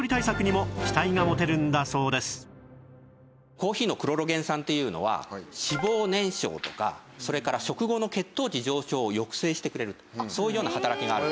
コーヒーのクロロゲン酸っていうのは脂肪燃焼とかそれから食後の血糖値上昇を抑制してくれるそういうような働きがあるんです。